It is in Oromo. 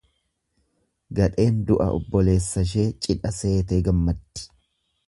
Gadheen du'a obboleessashee cidha seetee gammaddi.